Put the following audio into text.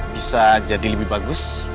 bisa jadi lebih bagus